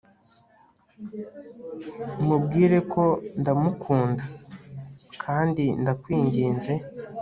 mubwire ko ndamukunda, kandi ndakwinginze